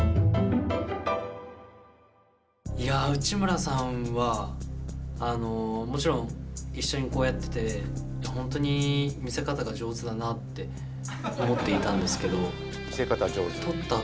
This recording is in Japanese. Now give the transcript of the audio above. いやあ内村さんはもちろん一緒にこうやってて本当に見せ方が上手だなって思っていたんですけど撮った